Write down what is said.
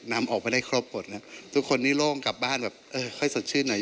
นำออกไปได้ครบหมดแล้วทุกคนนี้โล่งกลับบ้านแบบเออค่อยสดชื่นหน่อย